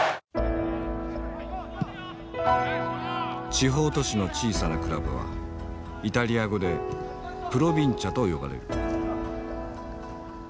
地方都市の小さなクラブはイタリア語でプロヴィンチャと呼ばれる。